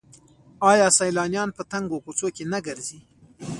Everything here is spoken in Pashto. آیا سیلانیان په تنګو کوڅو کې نه ګرځي؟